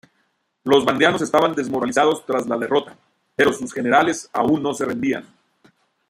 Los vandeanos estaban desmoralizados tras la derrota, pero sus generales aún no se rendían.